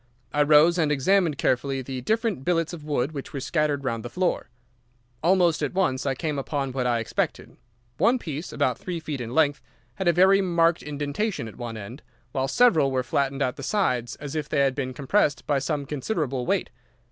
I rose and examined carefully the different billets of wood which were scattered round the floor. Almost at once I came upon what I expected. One piece, about three feet in length, had a very marked indentation at one end, while several were flattened at the sides as if they had been compressed by some considerable weight.